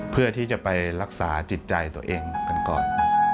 เพื่อที่จะไปรักษาจิตใจตัวเองกันก่อน